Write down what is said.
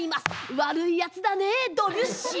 悪いやつだねドビュッシー。